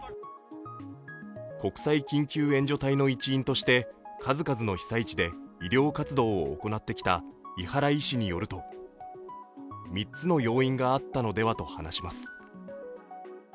国際緊急援助隊の一員として数々の被災地で医療活動を行ってきた井原医師によると３つの要因があったのではと話します。